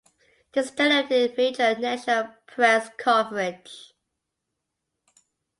This generated major national press coverage.